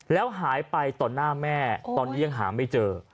แล้วหายไปต่อหน้าแม่ตอนนี้ยังหาไม่เจอ